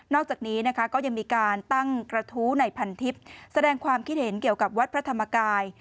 อกจากนี้นะคะก็ยังมีการตั้งกระทู้ในพันทิพย์แสดงความคิดเห็นเกี่ยวกับวัดพระธรรมกาย